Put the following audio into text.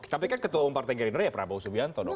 tapi kan ketua umparte gerindra ya prabowo subianto